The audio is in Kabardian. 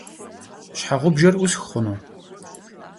Şheğubjjer 'usx xhunu?